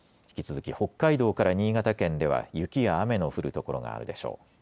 引き続き北海道から新潟県では雪や雨の降る所があるでしょう。